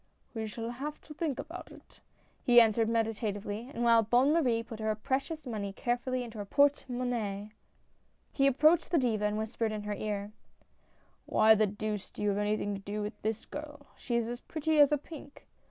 "We shall have to think about it," he answered meditatively, and while Bonne Marie put her precious money carefully into her porte monnaie, he approached the Diva and whispered in her ear :'" Why the deuce do you have anything to do with this girl — she is as pretty as a pink.